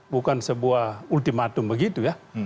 bukan sebuah ultimatum begitu ya